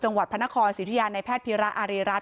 จังหวัดพรณคล๔อยุธยาในแพทย์พีระอารีราศ